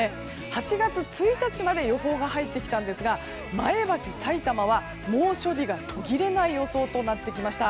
８月１日まで予報が入ってきたんですが前橋、さいたまは猛暑日が途切れない予想となってきました。